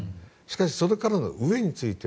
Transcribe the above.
しかし、それからの上については